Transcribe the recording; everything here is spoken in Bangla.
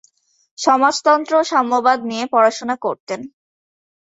সমাজতন্ত্র ও সাম্যবাদ নিয়ে পড়াশোনা করতেন।